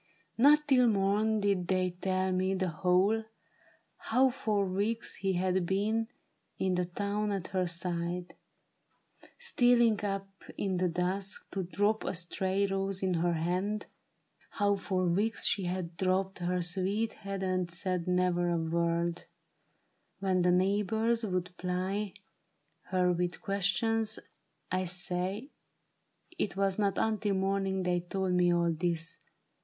Not till morn Did they tell me the whole — how for weeks he had been In the town at her side ; stealing up in the dusk To drop a stray rose in her hand — how for weeks She had drooped her sweet head and said never a word When the neighbors would ply her with questions. I say It was not until morning they told me all this.